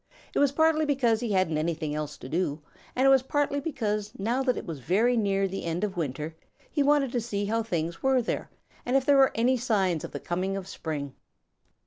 It was partly because he hadn't anything else to do, and it was partly because now that it was very near the end of winter he wanted to see how things were there and if there were any signs of the coming of spring.